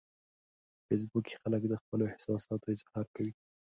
په فېسبوک کې خلک د خپلو احساساتو اظهار کوي